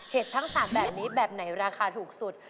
เห็ดทั้งสารแบบนี้แบบไหนราคาถูกสุด